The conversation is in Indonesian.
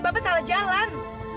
bapak salah jalan